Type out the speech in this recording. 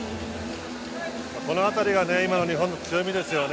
この辺りが今の日本の強みですよね。